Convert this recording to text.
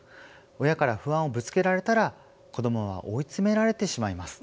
親から不安をぶつけられたら子どもは追い詰められてしまいます。